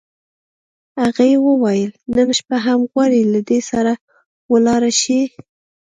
هغې وویل: نن شپه هم غواړې، له ده سره ولاړه شې؟